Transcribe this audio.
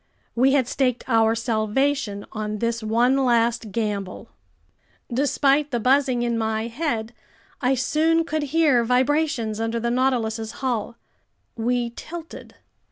We had staked our salvation on this one last gamble. Despite the buzzing in my head, I soon could hear vibrations under the Nautilus's hull. We tilted.